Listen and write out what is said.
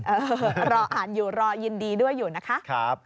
เออรออ่านอยู่รอยินดีด้วยอยู่นะคะ